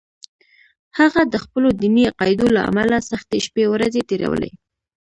هغه د خپلو دیني عقایدو له امله سختې شپې ورځې تېرولې